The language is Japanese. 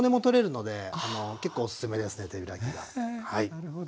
なるほど。